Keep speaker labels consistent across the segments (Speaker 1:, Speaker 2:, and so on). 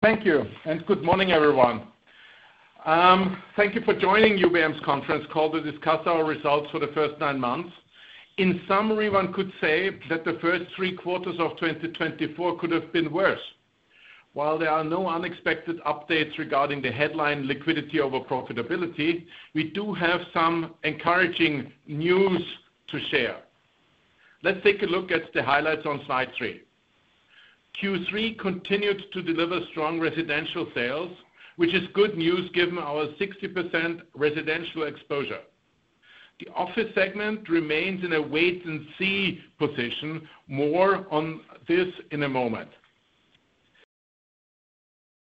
Speaker 1: Thank you, and good morning, everyone. Thank you for joining UBM's conference call to discuss our results for the first nine months. In summary, one could say that the first three quarters of 2024 could have been worse. While there are no unexpected updates regarding the headline liquidity over profitability, we do have some encouraging news to share. Let's take a look at the highlights on slide three. Q3 continued to deliver strong residential sales, which is good news given our 60% residential exposure. The office segment remains in a wait-and-see position. More on this in a moment.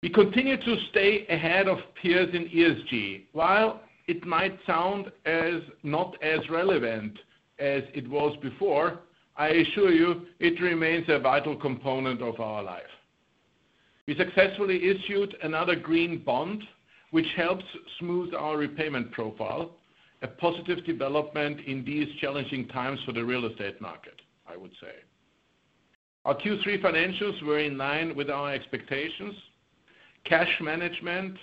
Speaker 1: We continue to stay ahead of peers in ESG. While it might sound as not as relevant as it was before, I assure you it remains a vital component of our life. We successfully issued another green bond, which helps smooth our repayment profile, a positive development in these challenging times for the real estate market, I would say. Our Q3 financials were in line with our expectations. Cash management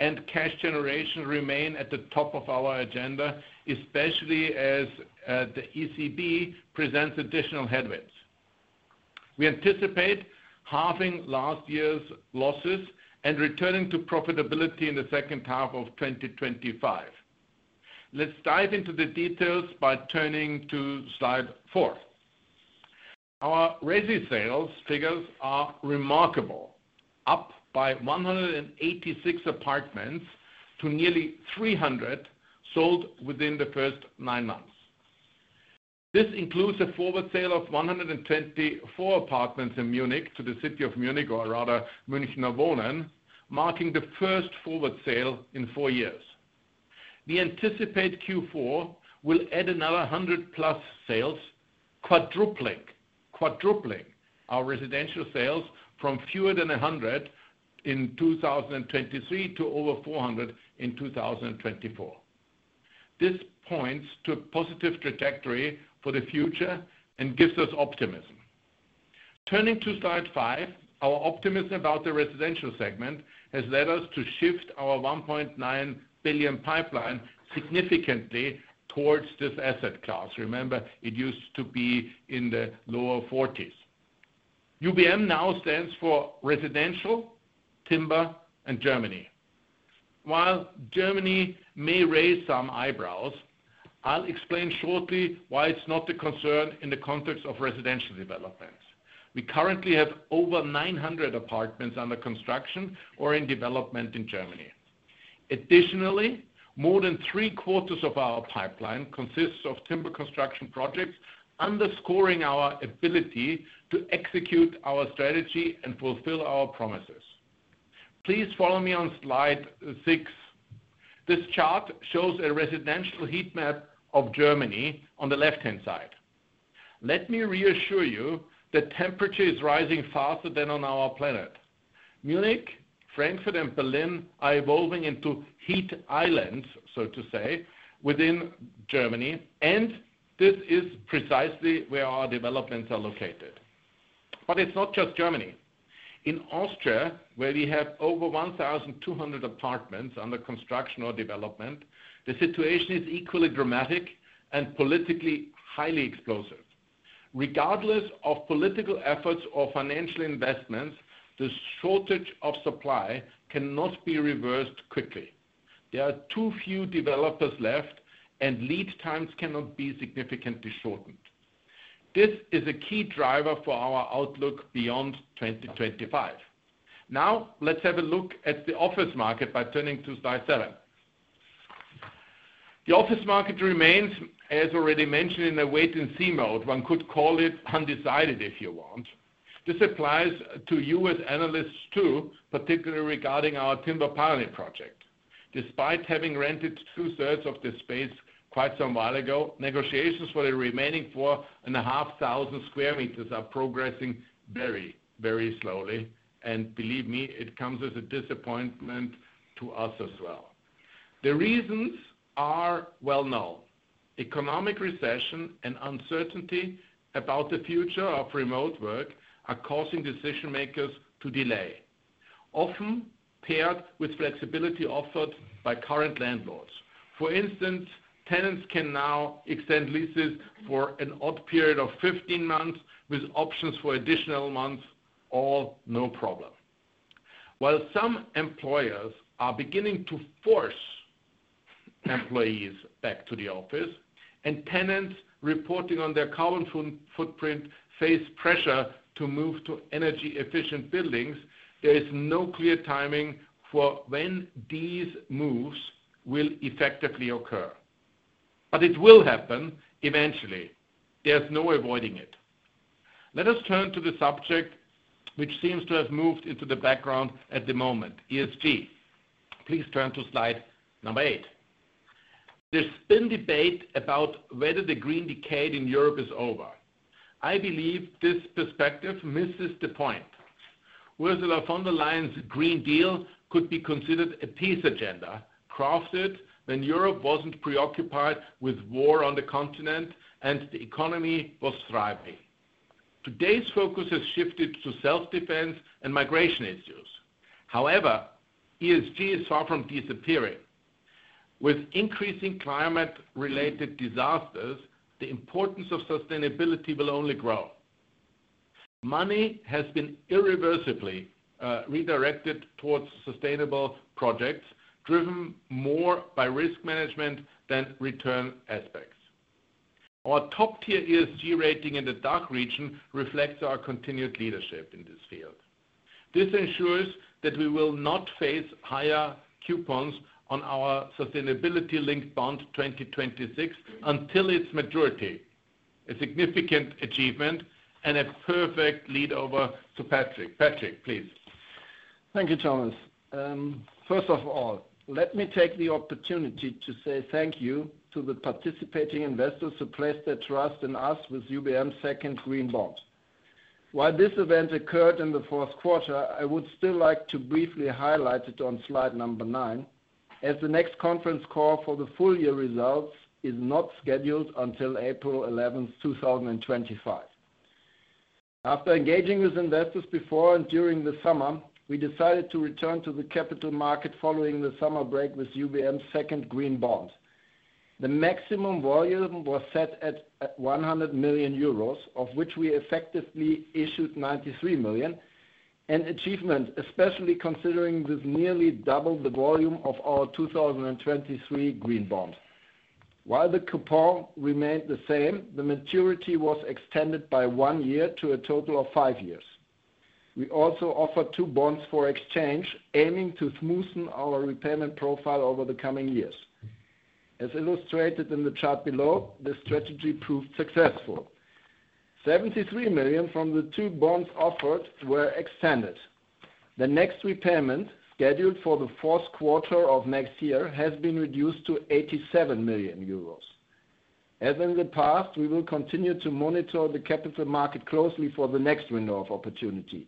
Speaker 1: and cash generation remain at the top of our agenda, especially as the ECB presents additional headwinds. We anticipate halving last year's losses and returning to profitability in the second half of 2025. Let's dive into the details by turning to slide four. Our residential sales figures are remarkable, up by 186 apartments to nearly 300 sold within the first nine months. This includes a forward sale of 124 apartments in Munich to the city of Munich, or rather Münchner Wohnen, marking the first forward sale in four years. We anticipate Q4 will add another 100-plus sales, quadrupling our residential sales from fewer than 100 in 2023 to over 400 in 2024. This points to a positive trajectory for the future and gives us optimism. Turning to slide five, our optimism about the residential segment has led us to shift our 1.9 billion pipeline significantly towards this asset class. Remember, it used to be in the lower 40s. UBM now stands for Residential, Timber, and Germany. While Germany may raise some eyebrows, I'll explain shortly why it's not a concern in the context of residential developments. We currently have over 900 apartments under construction or in development in Germany. Additionally, more than three quarters of our pipeline consists of timber construction projects, underscoring our ability to execute our strategy and fulfill our promises. Please follow me on slide six. This chart shows a residential heat map of Germany on the left-hand side. Let me reassure you, the temperature is rising faster than on our planet. Munich, Frankfurt, and Berlin are evolving into heat islands, so to say, within Germany, and this is precisely where our developments are located. But it's not just Germany. In Austria, where we have over 1,200 apartments under construction or development, the situation is equally dramatic and politically highly explosive. Regardless of political efforts or financial investments, the shortage of supply cannot be reversed quickly. There are too few developers left, and lead times cannot be significantly shortened. This is a key driver for our outlook beyond 2025. Now, let's have a look at the office market by turning to slide seven. The office market remains, as already mentioned, in a wait-and-see mode. One could call it undecided, if you want. This applies to you as analysts too, particularly regarding our Timber Pioneer project. Despite having rented two-thirds of the space quite some while ago, negotiations for the remaining 4,500 sq m are progressing very, very slowly, and believe me, it comes as a disappointment to us as well. The reasons are well known. Economic recession and uncertainty about the future of remote work are causing decision-makers to delay, often paired with flexibility offered by current landlords. For instance, tenants can now extend leases for an odd period of 15 months with options for additional months, all no problem. While some employers are beginning to force employees back to the office and tenants reporting on their carbon footprint face pressure to move to energy-efficient buildings, there is no clear timing for when these moves will effectively occur. But it will happen eventually. There's no avoiding it. Let us turn to the subject which seems to have moved into the background at the moment, ESG. Please turn to slide number eight. There's been debate about whether the green decade in Europe is over. I believe this perspective misses the point. Ursula von der Leyen's Green Deal could be considered a peace agenda crafted when Europe wasn't preoccupied with war on the continent and the economy was thriving. Today's focus has shifted to self-defense and migration issues. However, ESG is far from disappearing. With increasing climate-related disasters, the importance of sustainability will only grow. Money has been irreversibly redirected towards sustainable projects, driven more by risk management than return aspects. Our top-tier ESG rating in the DACH region reflects our continued leadership in this field. This ensures that we will not face higher coupons on our sustainability-linked bond 2026 until its maturity. A significant achievement and a perfect lead over to Patric. Patric, please.
Speaker 2: Thank you, Thomas. First of all, let me take the opportunity to say thank you to the participating investors who placed their trust in us with UBM's second green bond. While this event occurred in the fourth quarter, I would still like to briefly highlight it on slide number nine, as the next conference call for the full year results is not scheduled until April 11th, 2025. After engaging with investors before and during the summer, we decided to return to the capital market following the summer break with UBM's second green bond. The maximum volume was set at 100 million euros, of which we effectively issued 93 million, an achievement, especially considering we've nearly doubled the volume of our 2023 green bond. While the coupon remained the same, the maturity was extended by one year to a total of five years. We also offer two bonds for exchange, aiming to smoothen our repayment profile over the coming years. As illustrated in the chart below, the strategy proved successful. 73 million from the two bonds offered were extended. The next repayment, scheduled for the fourth quarter of next year, has been reduced to 87 million euros. As in the past, we will continue to monitor the capital market closely for the next window of opportunity.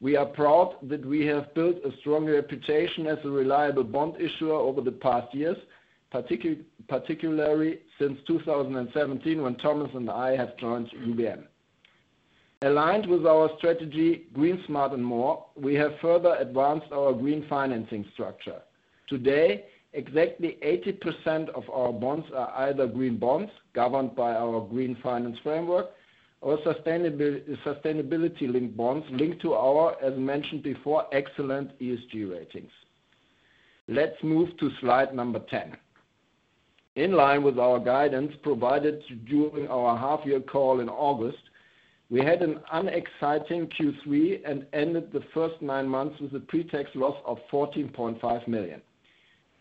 Speaker 2: We are proud that we have built a strong reputation as a reliable bond issuer over the past years, particularly since 2017 when Thomas and I have joined UBM. Aligned with our strategy, Green, Smart, and More, we have further advanced our green financing structure. Today, exactly 80% of our bonds are either green bonds governed by our Green Finance Framework or sustainability-linked bonds linked to our, as mentioned before, excellent ESG ratings. Let's move to slide number ten. In line with our guidance provided during our half-year call in August, we had an unexciting Q3 and ended the first nine months with a pre-tax loss of 14.5 million.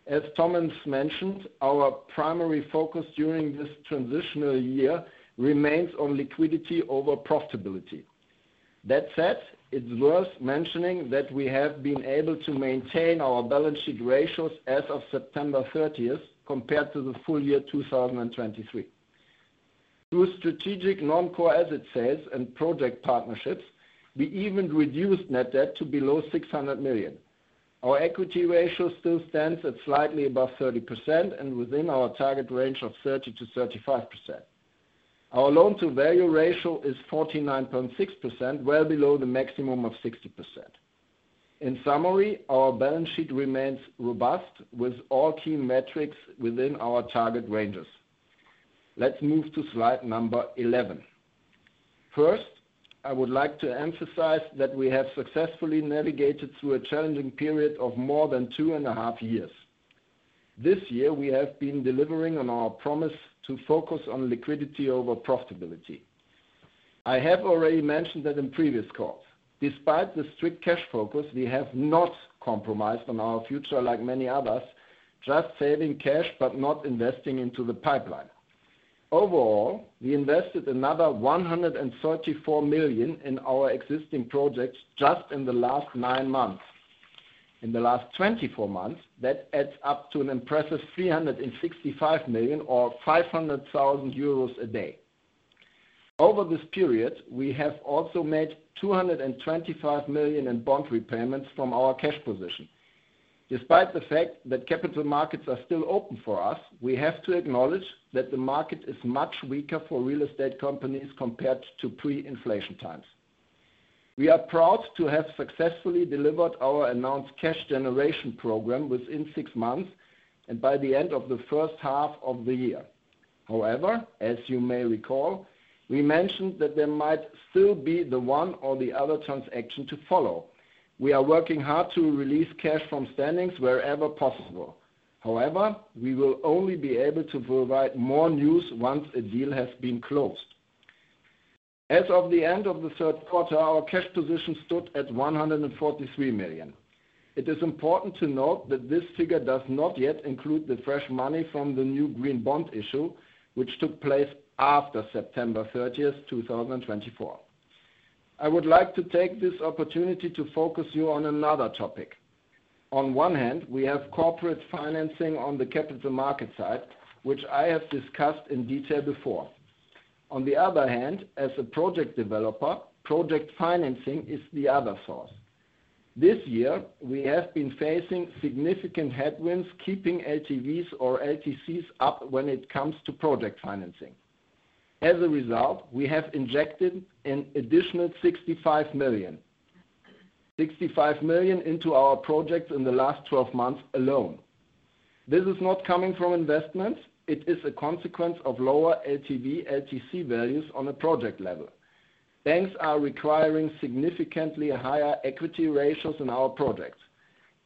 Speaker 2: As Thomas mentioned, our primary focus during this transitional year remains on liquidity over profitability. That said, it's worth mentioning that we have been able to maintain our balance sheet ratios as of September 30th compared to the full year 2023. Through strategic non-core asset sales and project partnerships, we even reduced net debt to below 600 million. Our equity ratio still stands at slightly above 30% and within our target range of 30% to 35%. Our loan-to-value ratio is 49.6%, well below the maximum of 60%. In summary, our balance sheet remains robust with all key metrics within our target ranges. Let's move to slide number 11. First, I would like to emphasize that we have successfully navigated through a challenging period of more than two and a half years. This year, we have been delivering on our promise to focus on liquidity over profitability. I have already mentioned that in previous calls. Despite the strict cash focus, we have not compromised on our future like many others, just saving cash but not investing into the pipeline. Overall, we invested another 134 million in our existing projects just in the last nine months. In the last 24 months, that adds up to an impressive 365 million or 500,000 euros a day. Over this period, we have also made 225 million in bond repayments from our cash position. Despite the fact that capital markets are still open for us, we have to acknowledge that the market is much weaker for real estate companies compared to pre-inflation times. We are proud to have successfully delivered our announced cash generation program within six months and by the end of the first half of the year. However, as you may recall, we mentioned that there might still be the one or the other transaction to follow. We are working hard to release cash from standings wherever possible. However, we will only be able to provide more news once a deal has been closed. As of the end of the third quarter, our cash position stood at 143 million. It is important to note that this figure does not yet include the fresh money from the new green bond issue, which took place after September 30th, 2024. I would like to take this opportunity to focus you on another topic. On one hand, we have corporate financing on the capital market side, which I have discussed in detail before. On the other hand, as a project developer, project financing is the other source. This year, we have been facing significant headwinds keeping LTVs or LTCs up when it comes to project financing. As a result, we have injected an additional 65 million into our projects in the last 12 months alone. This is not coming from investments. It is a consequence of lower LTV/LTC values on a project level. Banks are requiring significantly higher equity ratios in our projects.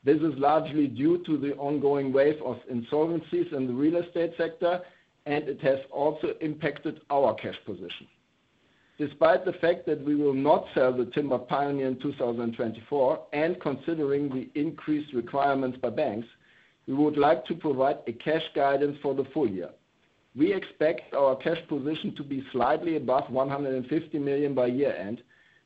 Speaker 2: This is largely due to the ongoing wave of insolvencies in the real estate sector, and it has also impacted our cash position. Despite the fact that we will not sell the Timber Pioneer in 2024 and considering the increased requirements by banks, we would like to provide a cash guidance for the full year. We expect our cash position to be slightly above 150 million by year-end,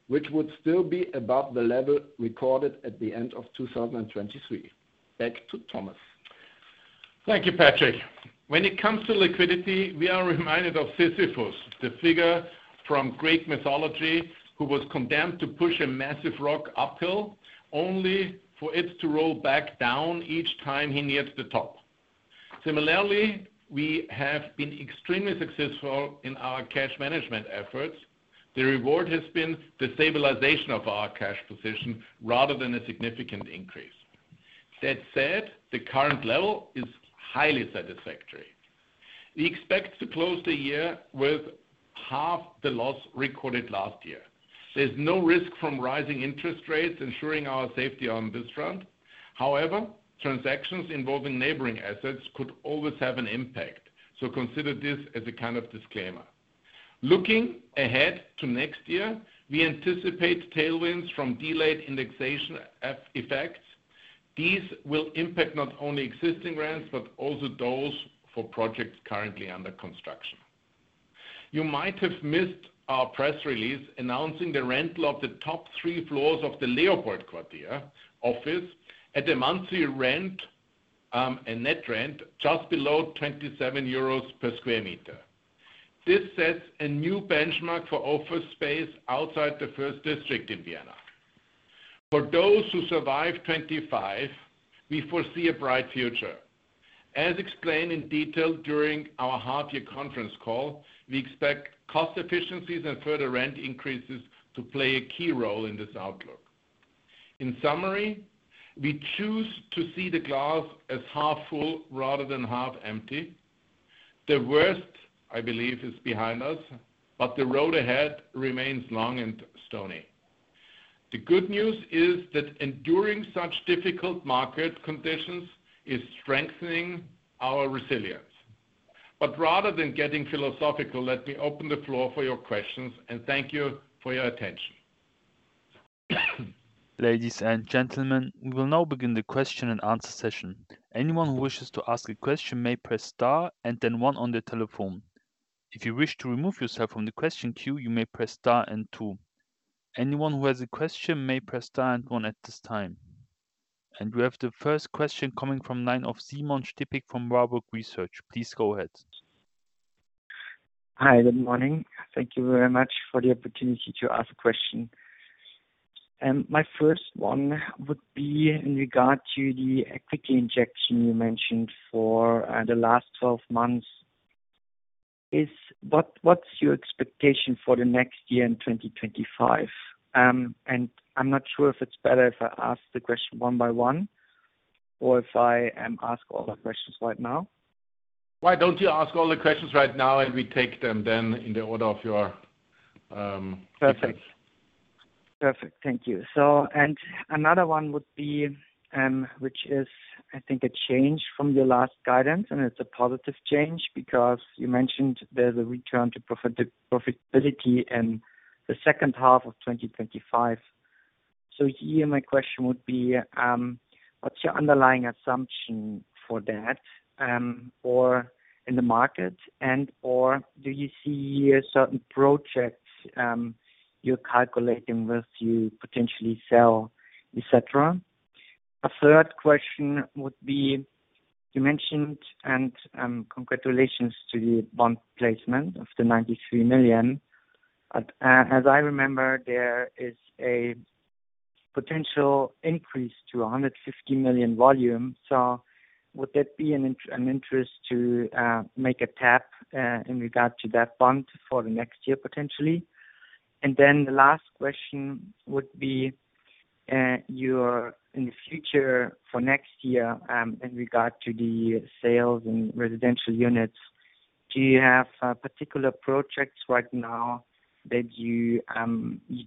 Speaker 2: which would still be above the level recorded at the end of 2023. Back to Thomas.
Speaker 1: Thank you, Patric. When it comes to liquidity, we are reminded of Sisyphus, the figure from Greek mythology who was condemned to push a massive rock uphill only for it to roll back down each time he neared the top. Similarly, we have been extremely successful in our cash management efforts. The reward has been the stabilization of our cash position rather than a significant increase. That said, the current level is highly satisfactory. We expect to close the year with half the loss recorded last year. There's no risk from rising interest rates ensuring our safety on this front. However, transactions involving neighboring assets could always have an impact, so consider this as a kind of disclaimer. Looking ahead to next year, we anticipate tailwinds from delayed indexation effects. These will impact not only existing grants but also those for projects currently under construction. You might have missed our press release announcing the rental of the top three floors of the LeopoldQuartier office at a monthly rent, a net rent just below 27 euros per square meter. This sets a new benchmark for office space outside the first district in Vienna. For those who survive 2025, we foresee a bright future. As explained in detail during our half-year conference call, we expect cost efficiencies and further rent increases to play a key role in this outlook. In summary, we choose to see the glass as half full rather than half empty. The worst, I believe, is behind us, but the road ahead remains long and stony. The good news is that enduring such difficult market conditions is strengthening our resilience. But rather than getting philosophical, let me open the floor for your questions, and thank you for your attention.
Speaker 3: Ladies and gentlemen, we will now begin the question and answer session. Anyone who wishes to ask a question may press star and then one on the telephone. If you wish to remove yourself from the question queue, you may press star and two. Anyone who has a question may press star and one at this time. And we have the first question coming from the line of Simon Stippig from Warburg Research. Please go ahead.
Speaker 4: Hi, good morning. Thank you very much for the opportunity to ask a question. My first one would be in regard to the equity injection you mentioned for the last 12 months. What's your expectation for the next year in 2025, and I'm not sure if it's better if I ask the question one by one or if I ask all the questions right now.
Speaker 1: Why don't you ask all the questions right now, and we take them then in the order of your,
Speaker 4: Perfect. Perfect. Thank you, so and another one would be, which is, I think, a change from your last guidance, and it's a positive change because you mentioned there's a return to profitability in the second half of 2025, so here, my question would be, what's your underlying assumption for that, or in the market, and/or do you see certain projects, you're calculating with you potentially sell, etc.? A third question would be, you mentioned, and, congratulations to the bond placement of the 93 million. As I remember, there is a potential increase to 150 million volume. So would that be an in an interest to, make a tap, in regard to that bond for the next year potentially? And then the last question would be, your view in the future for next year, in regard to the sales in residential units, do you have particular projects right now that you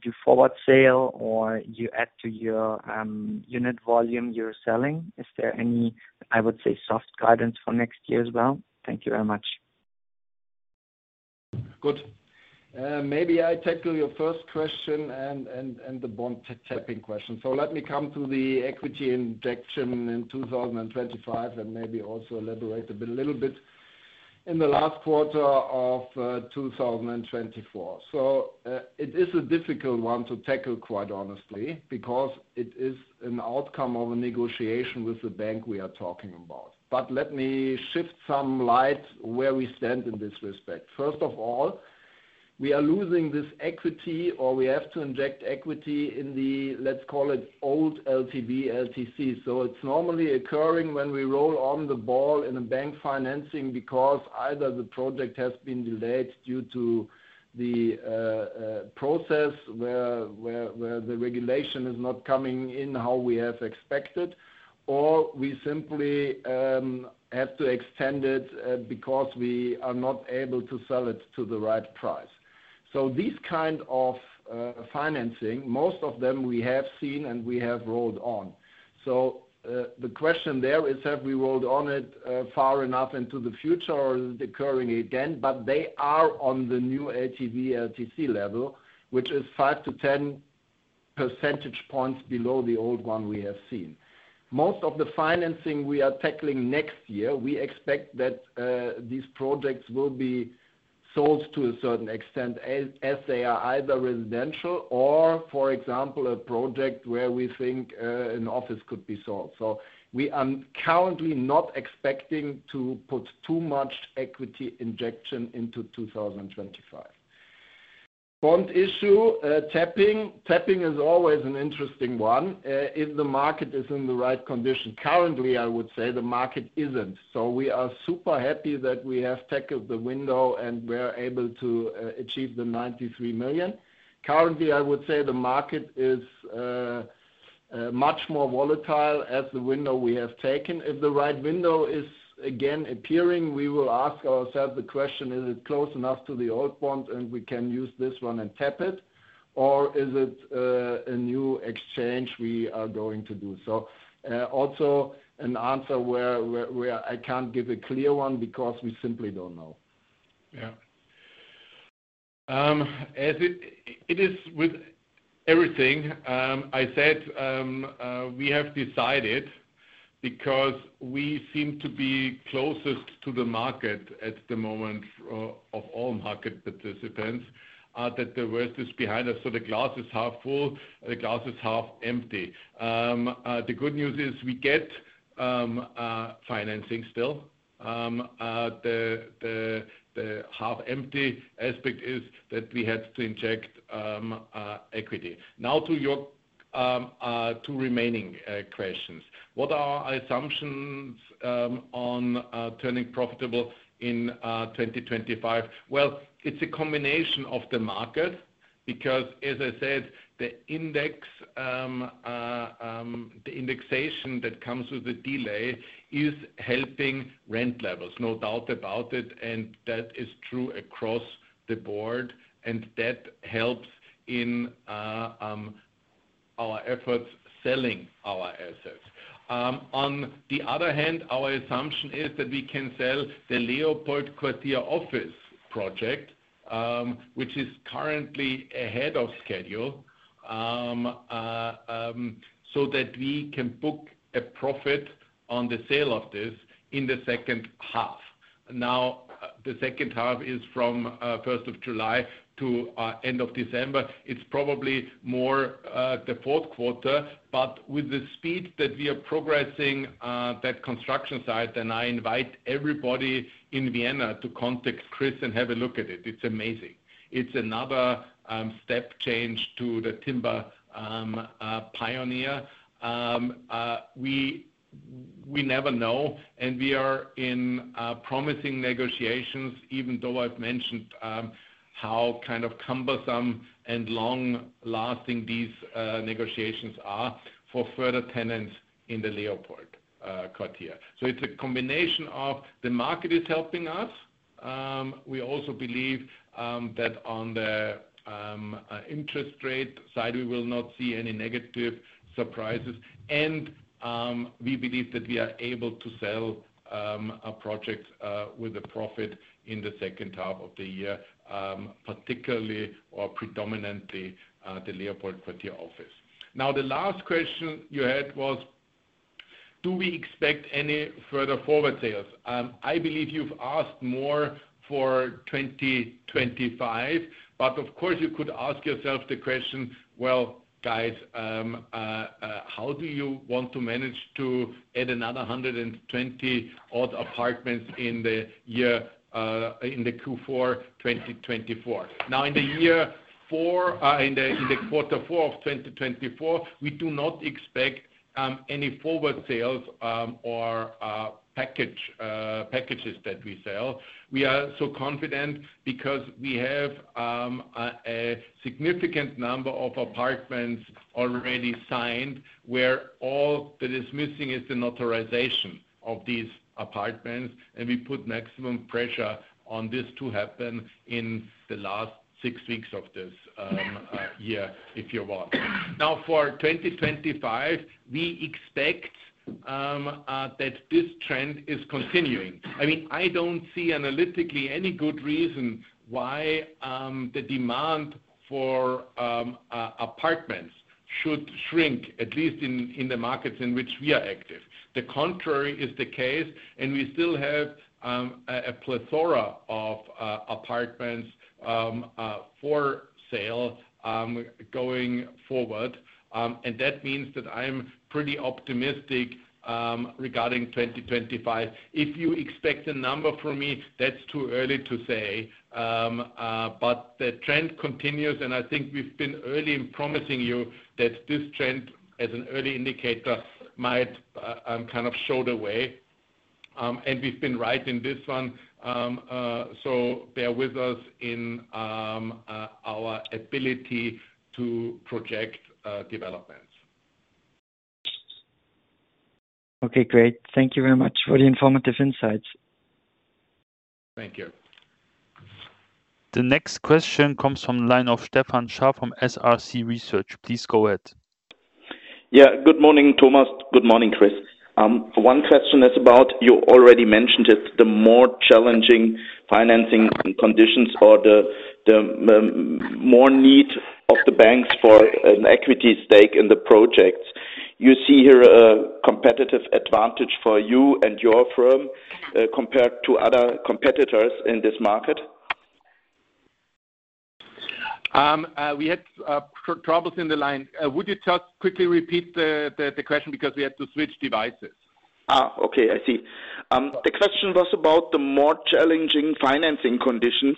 Speaker 4: do forward sale or you add to your unit volume you're selling? Is there any, I would say, soft guidance for next year as well? Thank you very much.
Speaker 1: Good. Maybe I tackle your first question and the bond tapping question. So let me come to the equity injection in 2025 and maybe also elaborate a little bit in the last quarter of 2024. So, it is a difficult one to tackle, quite honestly, because it is an outcome of a negotiation with the bank we are talking about. But let me shed some light where we stand in this respect. First of all, we are losing this equity, or we have to inject equity in the, let's call it, old LTV/LTC. It's normally occurring when we roll over the loan in a bank financing because either the project has been delayed due to the process where the regulation is not coming in how we have expected, or we simply have to extend it, because we are not able to sell it to the right price. These kind of financing, most of them we have seen and we have rolled over. The question there is, have we rolled over it far enough into the future or is it occurring again? They are on the new LTV/LTC level, which is 5-10 percentage points below the old one we have seen. Most of the financing we are tackling next year, we expect that these projects will be sold to a certain extent as they are either residential or, for example, a project where we think an office could be sold. So we are currently not expecting to put too much equity injection into 2025. Bond issue, tapping, tapping is always an interesting one if the market is in the right condition. Currently, I would say the market isn't. So we are super happy that we have tackled the window and we're able to achieve the 93 million. Currently, I would say the market is much more volatile as the window we have taken. If the right window is again appearing, we will ask ourselves the question: is it close enough to the old bond and we can use this one and tap it, or is it a new exchange we are going to do? So, also an answer where I can't give a clear one because we simply don't know.
Speaker 4: Yeah.
Speaker 1: As it is with everything I said, we have decided because we seem to be closest to the market at the moment, of all market participants, that the worst is behind us. So the glass is half full, the glass is half empty. The good news is we get financing still. The half empty aspect is that we had to inject equity. Now to your two remaining questions. What are our assumptions on turning profitable in 2025? Well, it's a combination of the market because, as I said, the index, the indexation that comes with the delay is helping rent levels, no doubt about it, and that is true across the board, and that helps in our efforts selling our assets. On the other hand, our assumption is that we can sell the LeopoldQuartier office project, which is currently ahead of schedule, so that we can book a profit on the sale of this in the second half. Now, the second half is from 1st of July to end of December. It's probably more the fourth quarter, but with the speed that we are progressing, that construction site, and I invite everybody in Vienna to contact Chris and have a look at it. It's amazing. It's another step change to the Timber Pioneer. We never know, and we are in promising negotiations, even though I've mentioned how kind of cumbersome and long-lasting these negotiations are for further tenants in the LeopoldQuartier. So it's a combination of the market is helping us. We also believe that on the interest rate side, we will not see any negative surprises, and we believe that we are able to sell a project with a profit in the second half of the year, particularly or predominantly the LeopoldQuartier office. Now, the last question you had was, do we expect any further forward sales? I believe you've asked more for 2025, but of course, you could ask yourself the question, well, guys, how do you want to manage to add another 120-odd apartments in the year in Q4 2024? Now, in the quarter four of 2024, we do not expect any forward sales or packages that we sell. We are so confident because we have a significant number of apartments already signed where all that is missing is the notarization of these apartments, and we put maximum pressure on this to happen in the last six weeks of this year, if you want. Now, for 2025, we expect that this trend is continuing. I mean, I don't see analytically any good reason why the demand for apartments should shrink, at least in the markets in which we are active. The contrary is the case, and we still have a plethora of apartments for sale going forward, and that means that I'm pretty optimistic regarding 2025. If you expect a number from me, that's too early to say, but the trend continues, and I think we've been early in promising you that this trend, as an early indicator, might kind of show the way, and we've been right in this one, so bear with us in our ability to project developments.
Speaker 4: Okay, great. Thank you very much for the informative insights.
Speaker 1: Thank you.
Speaker 3: The next question comes from the line of Stefan Scharff from SRC Research. Please go ahead.
Speaker 5: Yeah, good morning, Thomas. Good morning, Chris. One question is about you already mentioned it, the more challenging financing conditions or the more need of the banks for an equity stake in the projects. You see here a competitive advantage for you and your firm, compared to other competitors in this market?
Speaker 1: We had troubles in the line. Would you just quickly repeat the question because we had to switch devices?
Speaker 5: Okay, I see. The question was about the more challenging financing conditions,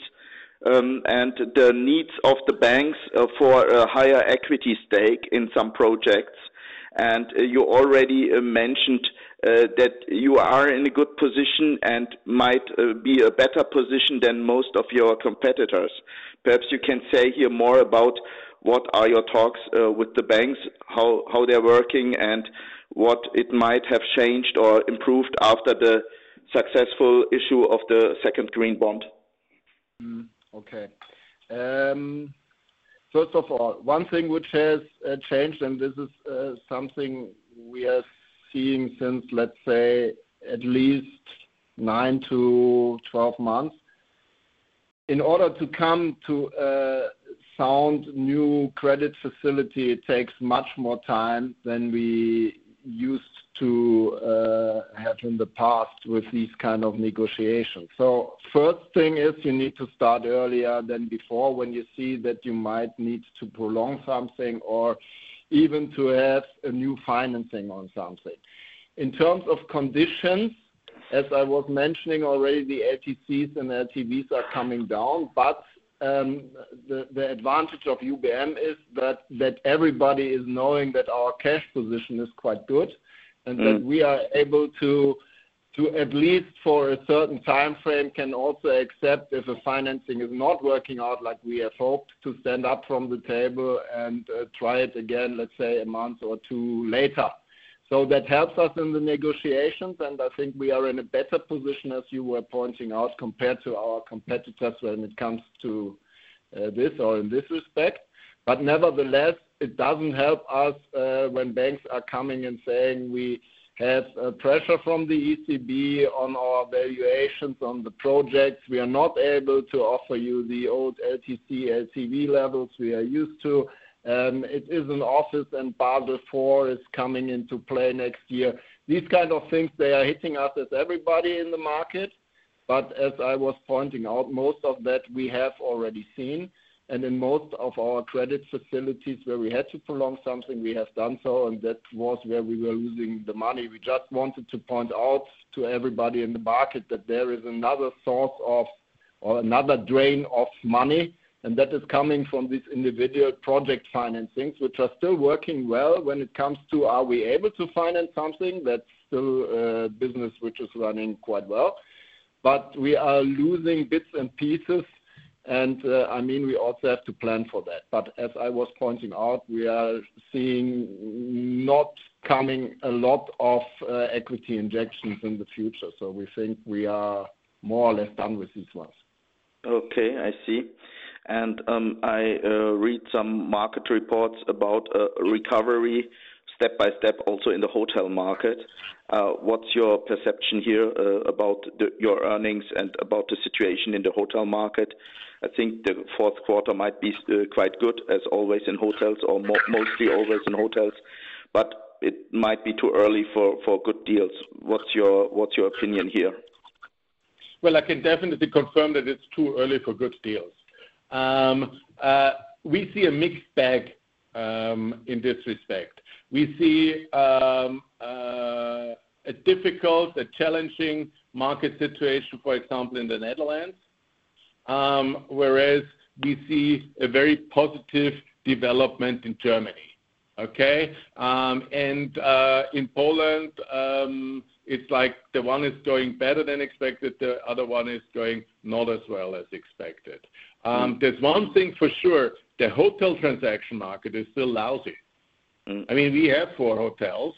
Speaker 5: and the needs of the banks, for a higher equity stake in some projects. And you already mentioned that you are in a good position and might be a better position than most of your competitors. Perhaps you can say here more about what are your talks with the banks, how they're working, and what it might have changed or improved after the successful issue of the second green bond.
Speaker 1: Okay. First of all, one thing which has changed, and this is something we are seeing since, let's say, at least nine to 12 months. In order to come to a sound new credit facility, it takes much more time than we used to have in the past with these kind of negotiations. So first thing is you need to start earlier than before when you see that you might need to prolong something or even to have a new financing on something. In terms of conditions, as I was mentioning already, the LTCs and LTVs are coming down, but the advantage of UBM is that everybody is knowing that our cash position is quite good and that we are able to at least for a certain time frame can also accept if a financing is not working out like we have hoped to stand up from the table and try it again, let's say, a month or two later. So that helps us in the negotiations, and I think we are in a better position, as you were pointing out, compared to our competitors when it comes to this or in this respect. But nevertheless, it doesn't help us when banks are coming and saying we have pressure from the ECB on our valuations on the projects. We are not able to offer you the old LTC/LTV levels we are used to. It is an office, and Basel IV is coming into play next year. These kind of things, they are hitting us as everybody in the market, but as I was pointing out, most of that we have already seen, and in most of our credit facilities where we had to prolong something, we have done so, and that was where we were losing the money. We just wanted to point out to everybody in the market that there is another source of or another drain of money, and that is coming from these individual project financings, which are still working well when it comes to are we able to finance something that's still, business which is running quite well. But we are losing bits and pieces, and, I mean, we also have to plan for that. But as I was pointing out, we are seeing not a lot of equity injections in the future, so we think we are more or less done with these ones.
Speaker 4: Okay, I see. And I read some market reports about a recovery step by step also in the hotel market. What's your perception here about your earnings and about the situation in the hotel market? I think the fourth quarter might be quite good, as always in hotels or mostly always in hotels, but it might be too early for good deals. What's your opinion here?
Speaker 1: Well, I can definitely confirm that it's too early for good deals. We see a mixed bag in this respect. We see a difficult, a challenging market situation, for example, in the Netherlands, whereas we see a very positive development in Germany, okay? And in Poland, it's like the one is going better than expected, the other one is going not as well as expected. There's one thing for sure, the hotel transaction market is still lousy. I mean, we have four hotels,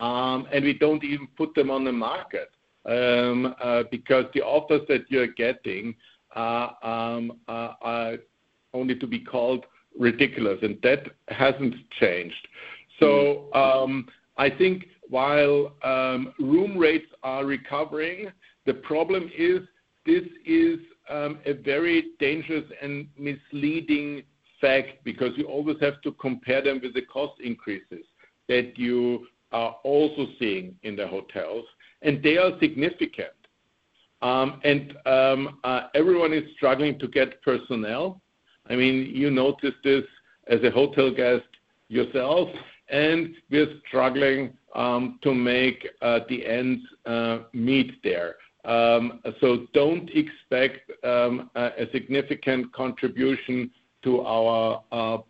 Speaker 1: and we don't even put them on the market, because the offers that you're getting are only to be called ridiculous, and that hasn't changed. So, I think while room rates are recovering, the problem is this is a very dangerous and misleading fact because you always have to compare them with the cost increases that you are also seeing in the hotels, and they are significant. Everyone is struggling to get personnel. I mean, you notice this as a hotel guest yourself, and we're struggling to make the ends meet there, so don't expect a significant contribution to our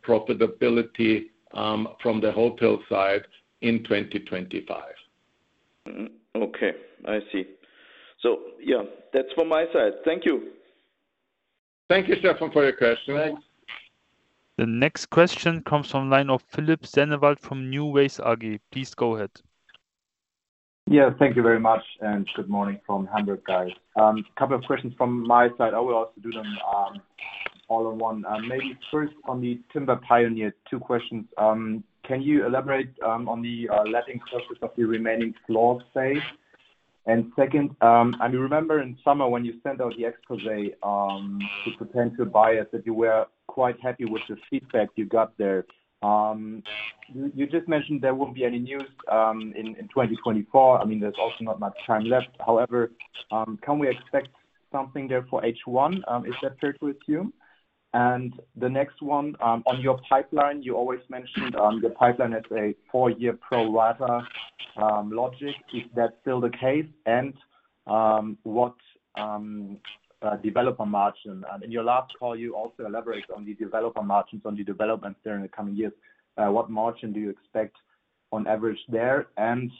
Speaker 1: profitability from the hotel side in 2025.
Speaker 5: Okay, I see. So yeah, that's from my side. Thank you.
Speaker 1: Thank you, Stefan Scharff, for your question.
Speaker 5: Thanks.
Speaker 3: The next question comes from the line of Philipp Sennewald from NuWays AG. Please go ahead.
Speaker 6: Yeah, thank you very much, and good morning from Hamburg, guys. A couple of questions from my side. I will also do them all in one. Maybe first on the Timber Pioneer, two questions. Can you elaborate on the letting purpose of the remaining floor space? And second, I mean, remember in summer when you sent out the exposé to potential buyers that you were quite happy with the feedback you got there. You just mentioned there won't be any news in 2024. I mean, there's also not much time left. However, can we expect something there for H1? Is that fair to assume? And the next one, on your pipeline, you always mentioned your pipeline as a four-year pro-rata logic. Is that still the case? And what developer margin? In your last call, you also elaborated on the developer margins on the developments there in the coming years. What margin do you expect on average there? And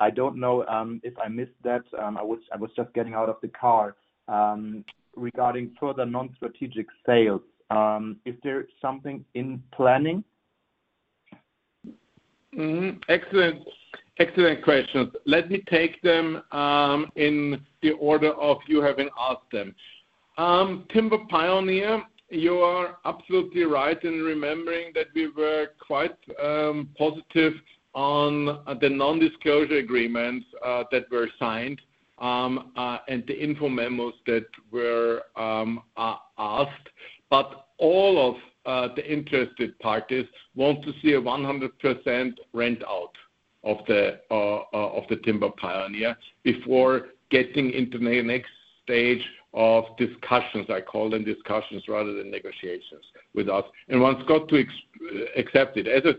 Speaker 6: I don't know if I missed that. I was just getting out of the car. Regarding further non-strategic sales, is there something in planning?
Speaker 1: Excellent, excellent questions. Let me take them in the order of you having asked them. Timber Pioneer, you are absolutely right in remembering that we were quite positive on the non-disclosure agreements that were signed, and the info memos that were asked. But all of the interested parties want to see a 100% rent out of the Timber Pioneer before getting into the next stage of discussions. I call them discussions rather than negotiations with us, and once got to accept it. As I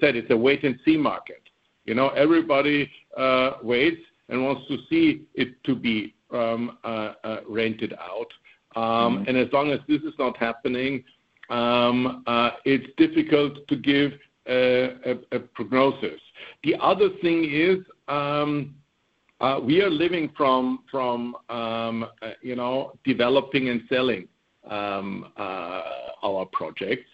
Speaker 1: said, it's a wait-and-see market. You know, everybody waits and wants to see it to be rented out. As long as this is not happening, it's difficult to give a prognosis. The other thing is, we are living from developing and selling our projects,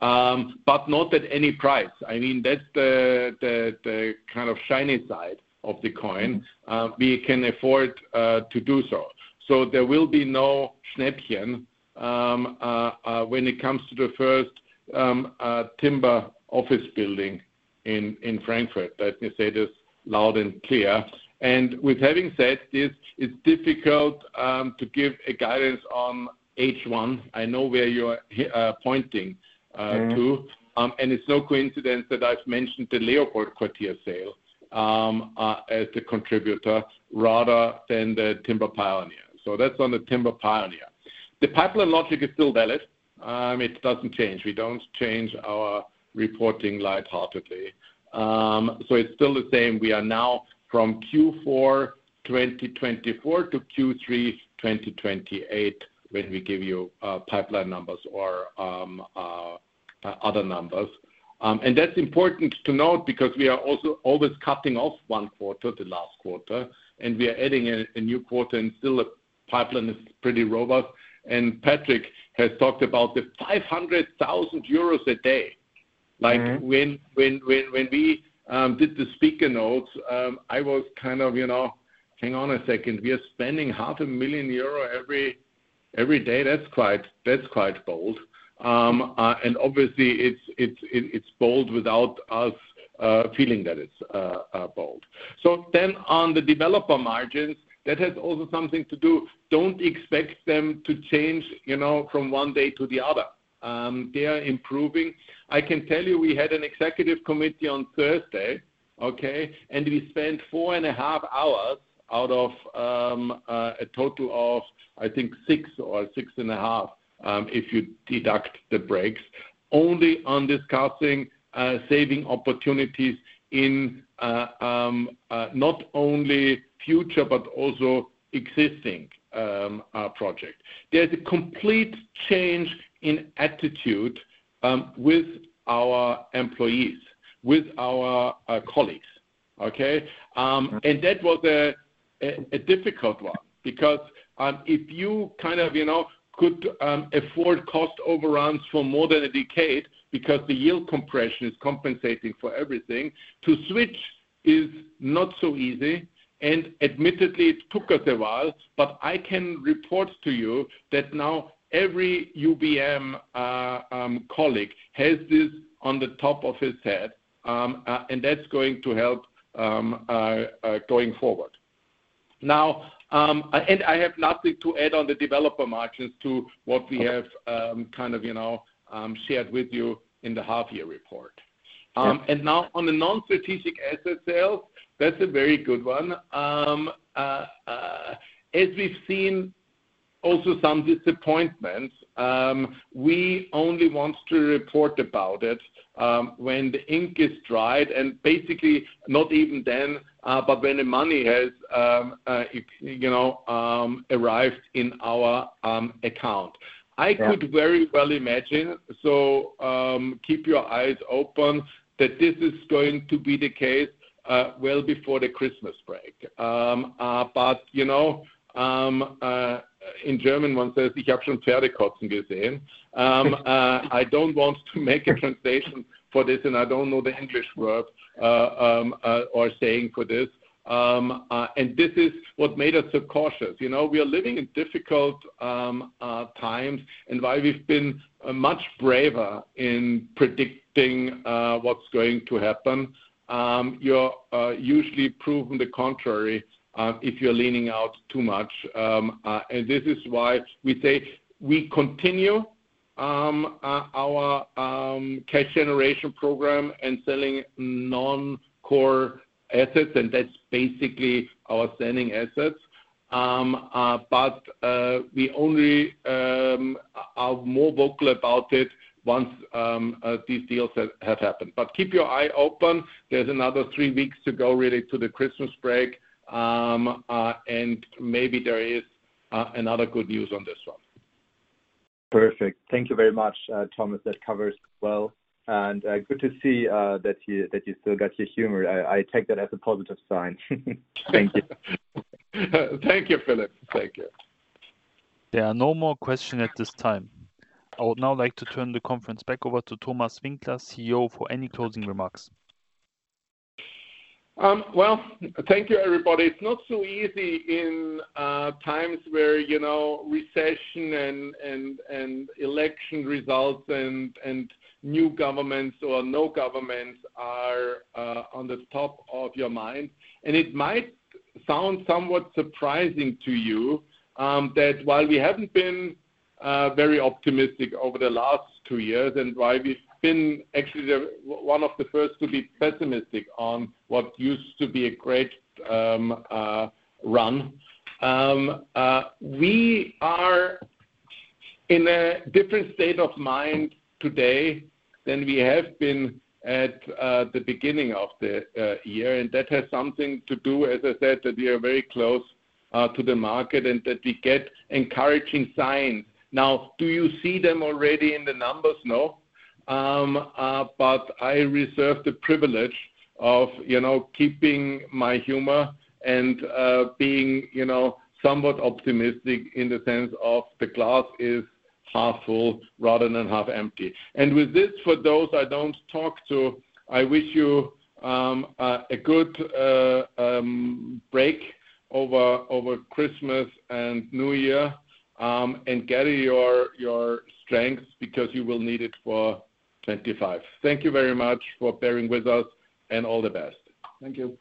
Speaker 1: but not at any price. I mean, that's the kind of shiny side of the coin. We can afford to do so. So there will be no Schnäppchen when it comes to the first timber office building in Frankfurt. Let me say this loud and clear. And with having said this, it's difficult to give a guidance on H1. I know where you're pointing to. And it's no coincidence that I've mentioned the LeopoldQuartier sale as the contributor rather than the Timber Pioneer. So that's on the Timber Pioneer. The pipeline logic is still valid. It doesn't change. We don't change our reporting lightheartedly. So it's still the same. We are now from Q4 2024 to Q3 2028 when we give you pipeline numbers or other numbers. And that's important to note because we are also always cutting off one quarter, the last quarter, and we are adding a new quarter, and still the pipeline is pretty robust. And Patric has talked about the 500,000 euros a day. Like when we did the speaker notes, I was kind of, you know, hang on a second. We are spending 500,000 euro every day. That's quite bold. And obviously it's bold without us feeling that it's bold. So then on the developer margins, that has also something to do. Don't expect them to change, you know, from one day to the other. They are improving. I can tell you we had an executive committee on Thursday, okay, and we spent four and a half hours out of a total of, I think, six or six and a half, if you deduct the breaks, only on discussing saving opportunities in not only future but also existing project. There's a complete change in attitude with our employees, with our colleagues, okay? And that was a difficult one because if you kind of, you know, could afford cost overruns for more than a decade because the yield compression is compensating for everything, to switch is not so easy. And admittedly, it took us a while, but I can report to you that now every UBM colleague has this on the top of his head, and that's going to help going forward. Now, and I have nothing to add on the developer margins to what we have, kind of, you know, shared with you in the half-year report, and now on the non-strategic asset sales, that's a very good one. As we've seen also some disappointments, we only want to report about it when the ink is dried and basically not even then, but when the money has, you know, arrived in our account. I could very well imagine, so keep your eyes open that this is going to be the case well before the Christmas break, but you know, in German one says, "Ich hab schon Pferde kotzen gesehen." I don't want to make a translation for this, and I don't know the English word or saying for this, and this is what made us so cautious. You know, we are living in difficult times, and while we've been much braver in predicting what's going to happen, you're usually proving the contrary if you're leaning out too much, and this is why we say we continue our cash generation program and selling non-core assets, and that's basically our selling assets, but we only are more vocal about it once these deals have happened, but keep your eye open. There's another three weeks to go really to the Christmas break, and maybe there is another good news on this one.
Speaker 6: Perfect. Thank you very much, Thomas. That covers well. And good to see that you still got your humor. I take that as a positive sign. Thank you.
Speaker 1: Thank you, Philipp. Thank you.
Speaker 3: There are no more questions at this time. I would now like to turn the conference back over to Thomas Winkler, CEO, for any closing remarks.
Speaker 1: Thank you, everybody. It's not so easy in times where, you know, recession and election results and new governments or no governments are on the top of your mind. And it might sound somewhat surprising to you, that while we haven't been very optimistic over the last two years and while we've been actually the one of the first to be pessimistic on what used to be a great run, we are in a different state of mind today than we have been at the beginning of the year. And that has something to do, as I said, that we are very close to the market and that we get encouraging signs. Now, do you see them already in the numbers? No. But I reserve the privilege of, you know, keeping my humor and, being, you know, somewhat optimistic in the sense of the glass is half full rather than half empty. And with this, for those I don't talk to, I wish you a good break over Christmas and New Year, and gather your strength because you will need it for 2025. Thank you very much for bearing with us and all the best.
Speaker 2: Thank you.